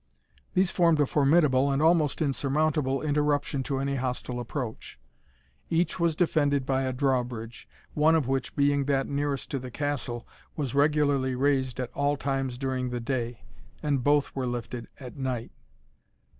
These formed a formidable, and almost insurmountable interruption to any hostile approach. Each was defended by a drawbridge, one of which, being that nearest to the castle, was regularly raised at all times during the day, and both were lifted at night.